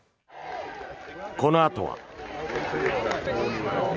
このあとは。